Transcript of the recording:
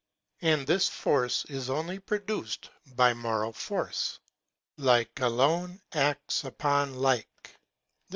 ' And this force is only produced by moral 'force. Like alone acts upon like. There AMIEL'S JOURNAL.